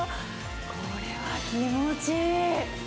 これは気持ちいい。